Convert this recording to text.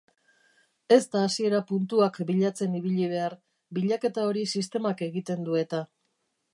Ez da hasiera-puntuak bilatzen ibili behar, bilaketa hori sistemak egiten du eta.